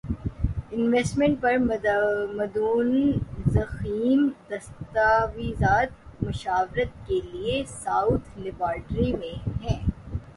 investment پر مدون ضخیم دستاویزات مشاورت کے لیے ساؤتھ لیبارٹری میں ہیں